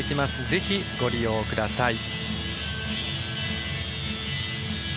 ぜひご利用ください。